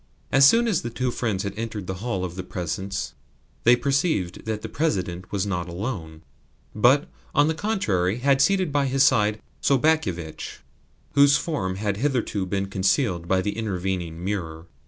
As soon as the two friends had entered the hall of the Presence they perceived that the President was NOT alone, but, on the contrary, had seated by his side Sobakevitch, whose form had hitherto been concealed by the intervening mirror.